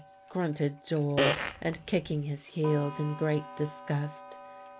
grunted Joel, and kicking his heels in great disgust.